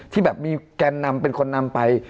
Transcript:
ที่แบบมีแกนนำเป็นคนนำไป